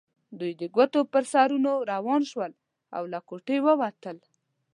دوی د ګوتو پر سرونو روان شول او له کوټې ووتل.